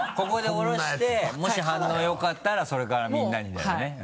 ここでおろしてもし反応よかったらそれからみんなにだよね？